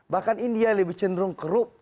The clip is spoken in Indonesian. bahkan india lebih cenderung kerup